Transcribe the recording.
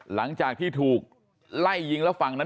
หลังจากที่ถูกไล่ยิงแล้วฝั่งนั้น